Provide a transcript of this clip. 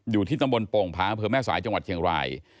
อยู่ที่ตำบลโป่งผาอำเภอแม่สายจังหวัดเชียงราย